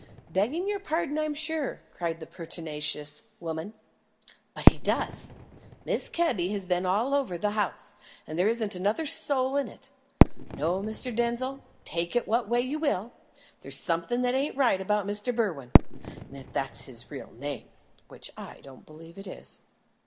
"Begging your pardon, I'm sure," cried the pertinacious woman, "but he does. Mrs. Kebby has been all over the house, and there isn't another soul in it. No, Mr. Denzil, take it what way you will, there's something that ain't right about Mr. Berwin if that's his real name, which I don't believe it is."